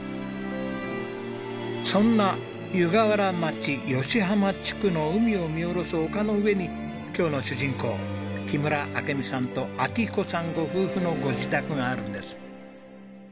そんな湯河原町吉浜地区の海を見下ろす丘の上に今日の主人公木村明美さんと明彦さんご夫婦のご自宅があるんです。